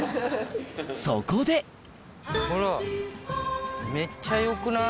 そこでほらめっちゃよくない？